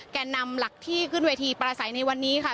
แก่นำหลักที่ขึ้นเวทีประสัยในวันนี้ค่ะ